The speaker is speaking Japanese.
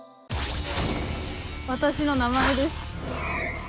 私の名前です！